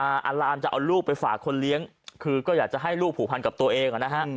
อารามจะเอาลูกไปฝากคนเลี้ยงคือก็อยากจะให้ลูกผูกพันกับตัวเองอ่ะนะฮะ